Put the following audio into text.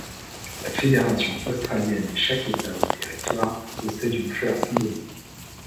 La fédération australienne et chaque État ou Territoire possède une fleur symbolique.